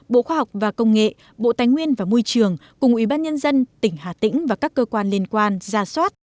bộ khoa học và công nghệ bộ tài nguyên và môi trường cùng ủy ban nhân dân tỉnh hà tĩnh và các cơ quan liên quan ra soát